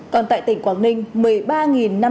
còn tại tỉnh quảng ninh